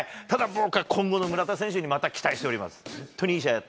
ただ、僕は今後の村田選手にまた期待しております。